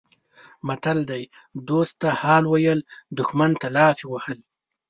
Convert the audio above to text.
متل دی: دوست ته حال ویلی دښمن ته لافې وهل.